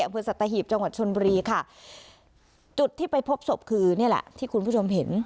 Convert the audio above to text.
อำเภอสัตหีบจังหวัดชนบุรีค่ะจุดที่ไปพบศพคือนี่แหละที่คุณผู้ชมเห็น